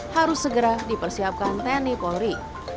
harus segera dipersiapkan tni polri